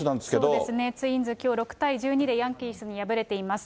そうですね、ツインズ、きょう６対１２でヤンキースに敗れています。